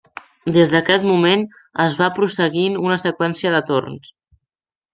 Des d'aquest moment, es va prosseguint una seqüència de torns.